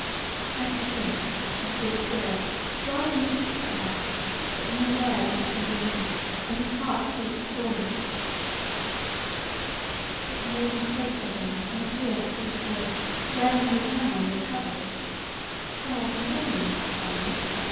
As for him, he stood still, striving to speak to her; but no word might he bring out, and his heart beat sorely. But the maiden spake to him in a clear sweet voice, wherein was now no trouble: "Thou art an alien, art thou not?